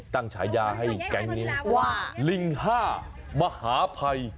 ฉายาให้แก๊งนี้ว่าลิงห้ามหาภัย